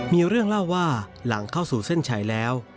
มีเรื่องเล่าว่าหลังเข้าสู่เส้นชัยแล้ว